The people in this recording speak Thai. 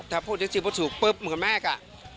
ถ้าพูดจริงว่าถูกปุ๊บเหมือนแม่กะ